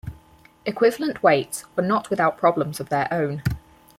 Equivalent weights were not without problems of their own.